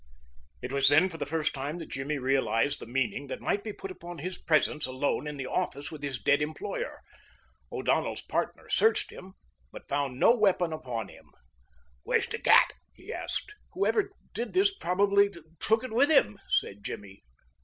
It was then for the first time that Jimmy realized the meaning that might be put upon his presence alone in the office with his dead employer. O'Donnell's partner searched him, but found no weapon upon him. "Where's the gat?" he asked. "Whoever did this probably took it with him," said Jimmy.